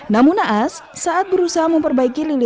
namun naas saat berusaha memperbaiki lilitan tali